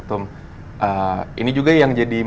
ya biasa banget sih